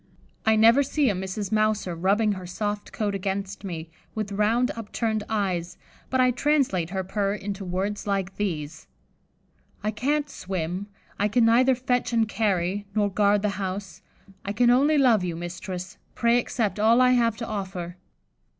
I never see a Mrs. Mouser rubbing her soft coat against me, with round upturned eyes, but I translate her purr into words like these: 'I can't swim; I can neither fetch and carry, nor guard the house; I can only love you, mistress; pray accept all I have to offer.